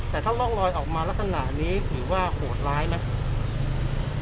แต่ถ้าร่องลอยออกมาลักษณะนี้ถือว่าโหดร้ายไหม